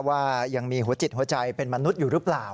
ว่ายังมีหัวจิตหัวใจเป็นมนุษย์อยู่หรือเปล่า